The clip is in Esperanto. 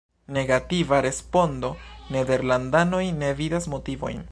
Negativa respondo- nederlandanoj ne vidas motivojn.